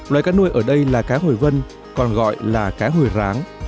loài cá nuôi ở đây là cá hồi vân còn gọi là cá hồi ráng